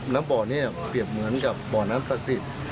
แล้วบ่อนี้เปรียบเหมือนกับบ่อน้ำศักดิ์สิทธิ์